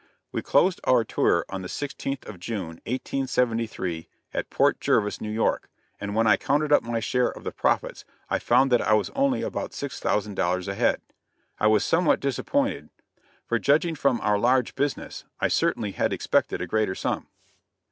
We closed our tour on the 16th of June, 1873, at Port Jervis, New York, and when I counted up my share of the profits I found that I was only about $6,000 ahead. I was somewhat disappointed, for, judging from our large business, I certainly had expected a greater sum.